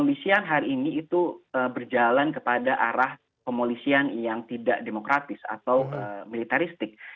kondisian hari ini itu berjalan kepada arah pemolisian yang tidak demokratis atau militaristik